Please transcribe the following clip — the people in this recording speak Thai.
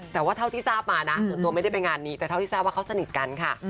แต่ว่าเท่าที่ทราบมานะส่วนตัวไม่ได้ไปงานนี้แต่เท่าที่ทราบว่าเขาสนิทกันค่ะ